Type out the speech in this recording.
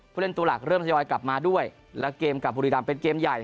เล่นตัวหลักเริ่มทยอยกลับมาด้วยและเกมกับบุรีรำเป็นเกมใหญ่